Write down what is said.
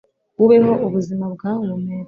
ubeho ubuzima bwahumetswe